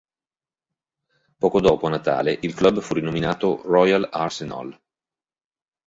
Poco dopo, a Natale, il club fu rinominato "Royal Arsenal".